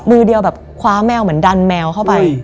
มือเดียวแบบคว้าแมวเหมือนดันแมวเข้าไป